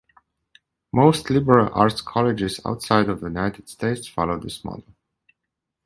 Most liberal arts colleges outside of the United States follow this model.